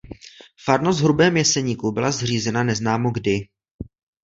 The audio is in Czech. Farnost v Hrubém Jeseníku byla zřízena neznámo kdy.